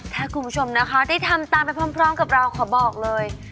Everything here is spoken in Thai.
ถ้าคุณผู้ชมนะคะได้ทำตามไปพร้อมกับเราขอบอกเลย